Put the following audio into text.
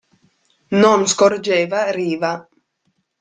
Non scorgeva riva.